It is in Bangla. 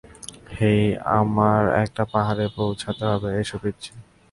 হেই, আমার একটা পাহাড়ে পৌঁছাতে হবে, এসো পিচ্চি।